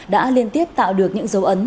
đã liên tiếp tạo được những dấu ấn